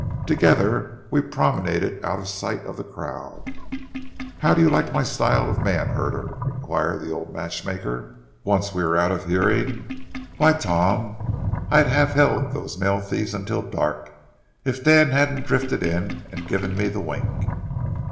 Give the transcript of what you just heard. Together we promenaded out of sight of the crowd. "How do you like my style of a man herder?" inquired the old matchmaker, once we were out of hearing. "Why, Tom, I'd have held those mail thieves until dark, if Dan hadn't drifted in and given me the wink.